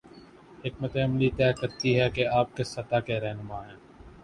حکمت عملی طے کرتی ہے کہ آپ کس سطح کے رہنما ہیں۔